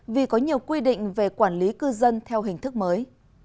vì có nhiều quy định về quản lý cư dân theo hình thức mới